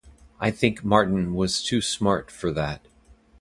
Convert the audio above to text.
I think Martin was too smart for that.